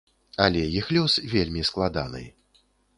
Але іх лёс вельмі складаны.